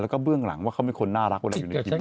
และก็เบื้องหลังว่าเขาไม่คนน่ารักอยู่ในนะนิดหนึ่ง